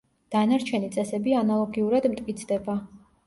დანარჩენი წესები ანალოგიურად მტკიცდება.